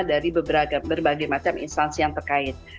dari berbagai macam instansi yang terkait